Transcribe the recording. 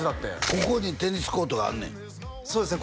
ここにテニスコートがあんねやそうですね